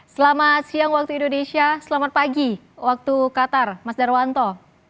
selamat siang waktu indonesia selamat pagi waktu qatar mas darwanto